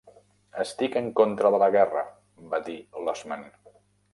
"Estic en contra de la guerra", va dir l'Osman.